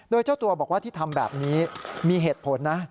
โดยเจ้าตัวบอกว่าที่ทำแบบนี้มีเหตุผลนะ